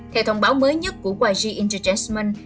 theo thông báo mới nhất của yg entertainment